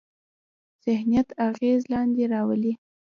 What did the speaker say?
ذهنیت اغېز لاندې راولي.